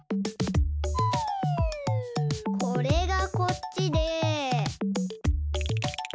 これがこっちで。